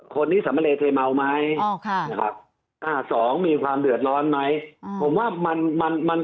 ๑คนที่สำเร็จเฮม่าไหม๒มีความเดือดร้อนไหม